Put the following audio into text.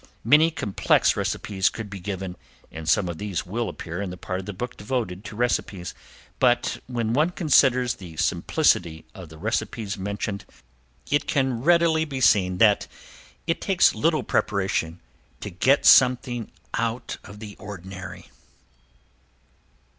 Many complex recipes could be given, and some of these will appear in the part of the book devoted to recipes, but when one considers the simplicity of the recipes mentioned, it can readily be seen that it takes little preparation to get something out of the ordinary.